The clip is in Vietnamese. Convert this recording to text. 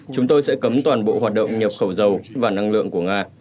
chúng tôi sẽ cấm toàn bộ hoạt động nhập khẩu dầu và năng lượng của nga